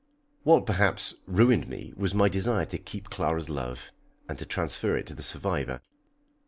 What, perhaps, ruined me was my desire to keep Clara's love, and to transfer it to the survivor.